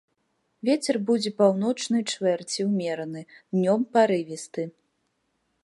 Вецер будзе паўночнай чвэрці ўмераны, днём парывісты.